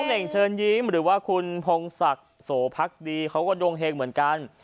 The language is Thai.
เน่งเชิญยิ้มหรือว่าคุณพงศักดิ์โสพักดีเขาก็ดวงเฮงเหมือนกัน